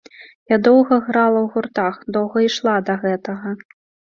Я доўга грала ў гуртах, доўга ішла да гэтага.